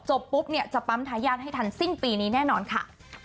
ปุ๊บเนี่ยจะปั๊มทายาทให้ทันสิ้นปีนี้แน่นอนค่ะ